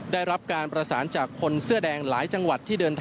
ได้รับการประสานจากคนเสื้อแดงหลายจังหวัด